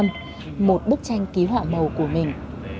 một bức tranh ký họa màu của mình